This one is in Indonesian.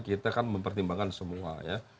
kita kan mempertimbangkan semua ya